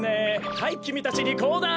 はいきみたちリコーダー。